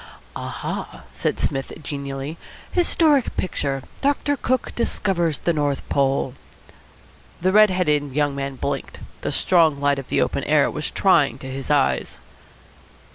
"Aha!" said Psmith genially. "Historic picture. 'Doctor Cook discovers the North Pole.'" The red headed young man blinked. The strong light of the open air was trying to his eyes.